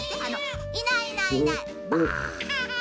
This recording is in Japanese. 「いないいないいないばあ」。